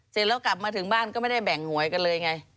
เสร็จแล้วกลับมาถึงบ้านก็ไม่ได้แบ่งหวยกันเลยไง